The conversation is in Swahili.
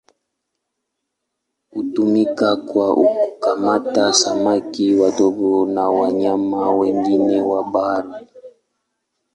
Hutumika kwa kukamata samaki wadogo na wanyama wengine wa bahari.